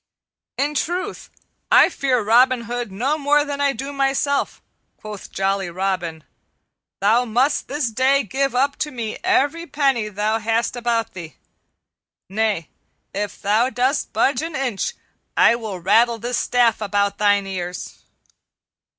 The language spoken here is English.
"In truth I fear Robin Hood no more than I do myself," quoth jolly Robin. "Thou must this day give up to me every penny thou hast about thee. Nay, if thou dost budge an inch I will rattle this staff about thine ears."